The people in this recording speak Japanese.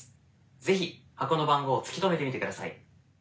是非箱の番号を突き止めてみてください。